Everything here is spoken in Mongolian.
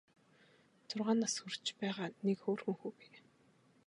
Зургаан нас хүрч байгаа нэг хөөрхөн хүү бий.